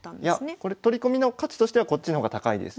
いやこれ取り込みの価値としてはこっちの方が高いです。